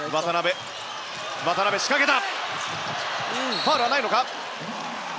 ファウルはないのか？